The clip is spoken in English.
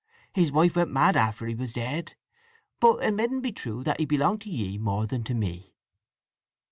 His wife went mad after he was dead. But it medn't be true that he belonged to ye more than to me."